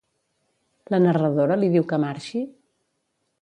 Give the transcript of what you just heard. La narradora li diu que marxi?